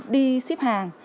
đi ship hàng